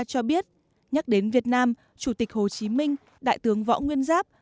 cho biết nhắc đến việt nam chủ tịch hồ chí minh đại tướng võ nguyên giáp